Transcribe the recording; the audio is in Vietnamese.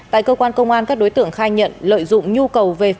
tại cơ quan công an các đối tượng khai nhận lợi dụng nhu cầu về pháo nổ